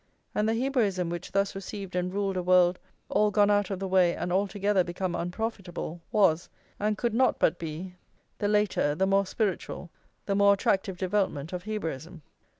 "+ And the Hebraism which thus received and ruled a world all gone out of the way and altogether become unprofitable, was, and could not but be, the later, the more spiritual, the more attractive development of Hebraism.